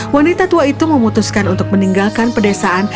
wanita tua itu memutuskan untuk meninggalkan pedesaan